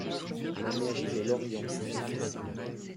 La mairie de Lorient.